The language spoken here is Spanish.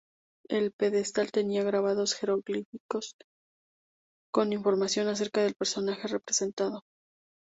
El pedestal tenía grabados jeroglíficos con información acerca del personaje representado.